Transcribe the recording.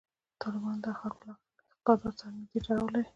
تالابونه د خلکو له اعتقاداتو سره نږدې تړاو لري.